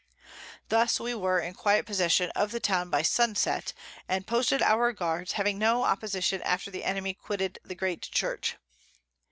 Thus we were in quiet possession of the Town by Sun set, and posted our Guards, having had no Opposition after the Enemy quitted the great Church.